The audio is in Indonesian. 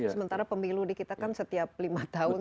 sementara pemilu di kita kan setiap lima tahun